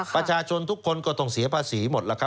ประชาชนทุกคนก็ต้องเสียภาษีหมดแล้วครับ